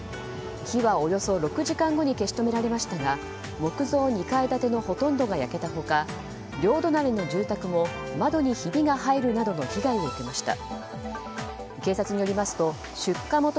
火はおよそ６時間後に消し止められましたが木造２階建てのほとんどが焼けた他両隣の住宅も窓にひびが入るなどの被害を受けました。